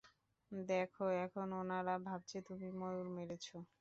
দেখো, এখন উনারা ভাবছে তুমি ময়ূর মেরেছ।